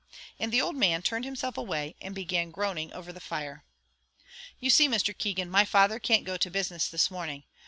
And the old man turned himself away, and began groaning over the fire. "You see, Mr. Keegan, my father can't go to business this morning.